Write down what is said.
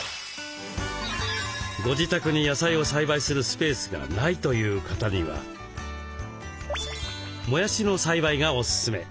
ご自宅に野菜を栽培するスペースがないという方にはもやしの栽培がおすすめ。